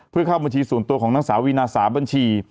เพื่อเข้าบัญชีส่วนตัวของนางสาววีนา๓บัญชี